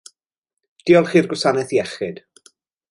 Diolch i'r gwasanaeth iechyd.